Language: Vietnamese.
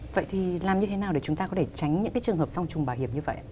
vậy thì làm như thế nào để chúng ta có thể tránh những cái trường hợp song trùng bảo hiểm như vậy ạ